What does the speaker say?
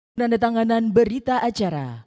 penanda tanganan berita acara